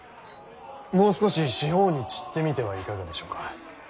もう少し四方に散ってみてはいかがでしょうか。